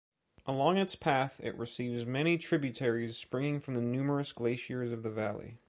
Along its path, it receives many tributaries springing from the numerous glaciers of the valley.